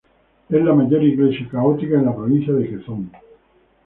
Es la mayor iglesia católica en la provincia de Quezón.